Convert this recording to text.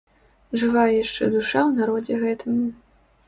Жывая яшчэ душа ў народзе гэтым.